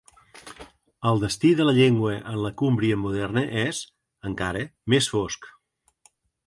El destí de la llengua en la Cúmbria moderna és, encara, més fosc.